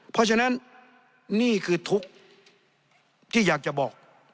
เพราะฉะนั้นนี่คือทุกข์ที่อยากจะบอก